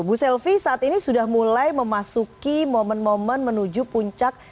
bu selvi saat ini sudah mulai memasuki momen momen menuju puncak